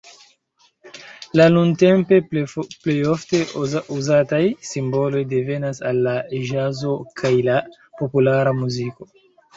La nuntempe plejofte uzataj simboloj devenas el la ĵazo kaj la populara muziko.